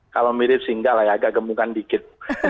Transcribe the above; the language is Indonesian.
kalau mirip sih enggak lah ya agak gemukan dikit